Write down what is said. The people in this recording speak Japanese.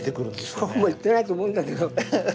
そうもいってないと思うんだけど。